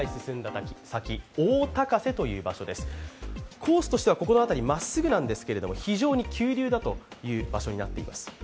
コースとしてはここら辺りまっすぐなんですけれども、非常に急流だという場所になっています。